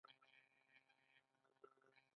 آیا د نیاګرا ابشار ډیر سیلانیان نلري؟